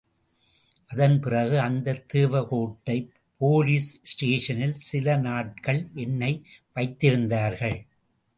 அதன் பிறகு அந்த தேவகோட்டை போலீஸ் ஸ்டேஷனில் சில நாட்கள் என்னை வைத்திருந்தார்கள்.